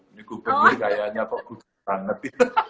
ini gubernur kayaknya pak butuh banget